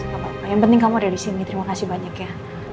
gak apa apa yang penting kamu udah di sini terima kasih banyak ya